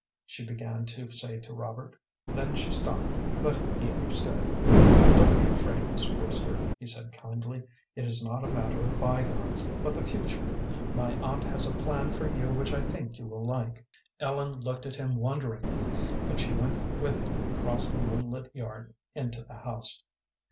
she began to say to Robert, then she stopped; but he understood. "Don't be afraid, Miss Brewster," he said, kindly. "It is not a matter of by gones, but the future. My aunt has a plan for you which I think you will like." Ellen looked at him wonderingly, but she went with him across the moonlit yard into the house.